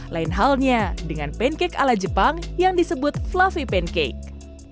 lain halnya dengan pancake ala jepang yang disebut fluffy pancake